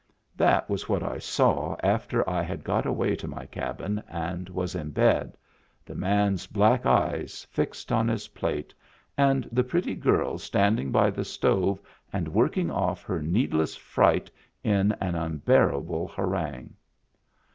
That was what I saw after I had got away to my cabin and was in bed : the man's black eyes fixed on his plate and the pretty girl standing by the stove and working off her needless fright in an unbearable harangue.